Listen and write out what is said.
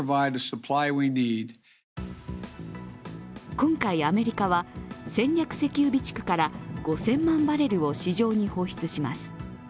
今回アメリカは戦略石油備蓄から５０００万バレルを市場に放出します。